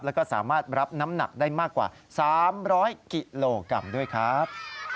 แล้วก็สามารถรับน้ำหนักได้มากกว่า๓๐๐กิโลกรัมด้วยครับ